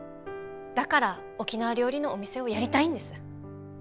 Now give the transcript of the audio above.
だから沖縄料理のお店をやりたいんです。